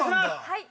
◆はい。